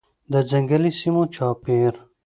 د ځنګلي سیمو چاپیر